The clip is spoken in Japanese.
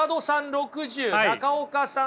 ６０中岡さん